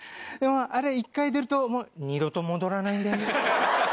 でもあれ１回出るともう二度と戻らないんだよね。